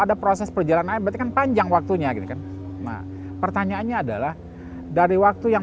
ada proses perjalanan air berarti kan panjang waktunya pertanyaannya adalah dari waktu yang